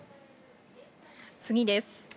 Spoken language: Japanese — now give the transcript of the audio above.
次です。